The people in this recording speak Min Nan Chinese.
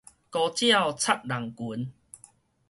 孤鳥插人群